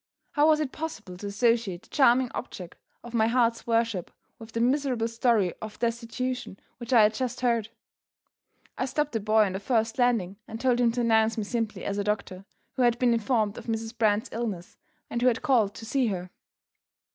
How was it possible to associate the charming object of my heart's worship with the miserable story of destitution which I had just heard? I stopped the boy on the first landing, and told him to announce me simply as a doctor, who had been informed of Mrs. Brand's illness, and who had called to see her.